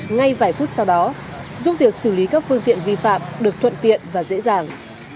ngay vài phút sau đó giúp việc xử lý các phương tiện vi phạm được thuận tiện và dễ dàng